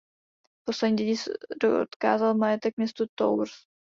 Poslední dědic odkázal majetek městu Tours.